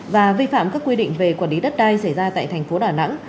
và vi phạm các quy định về quản lý đất đai xảy ra tại thành phố đà nẵng